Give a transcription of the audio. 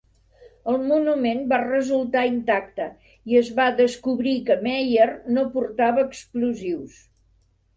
El monument va resultar intacte, i es va descobrir que Mayer no portava explosius.